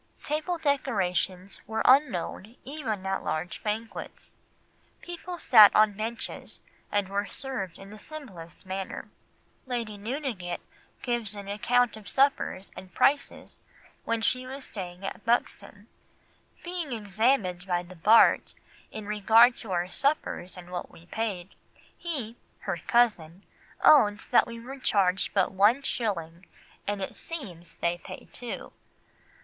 Table decorations were unknown even at large banquets, people sat on benches and were served in the simplest manner. Lady Newdigate gives an account of suppers and prices when she was staying at Buxton— "Being examined by the Bart in regard to our suppers and what we paid, he [her cousin] owned that we were charged but one shilling and it seems they pay two.